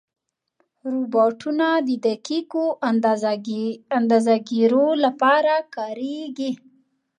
روبوټونه د دقیقو اندازهګیرو لپاره کارېږي.